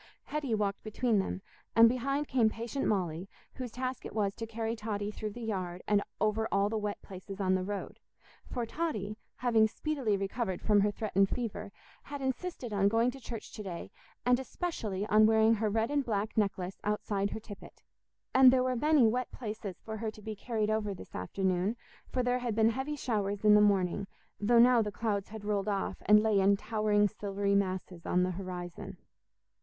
Hetty walked between them, and behind came patient Molly, whose task it was to carry Totty through the yard and over all the wet places on the road; for Totty, having speedily recovered from her threatened fever, had insisted on going to church to day, and especially on wearing her red and black necklace outside her tippet. And there were many wet places for her to be carried over this afternoon, for there had been heavy showers in the morning, though now the clouds had rolled off and lay in towering silvery masses on the horizon.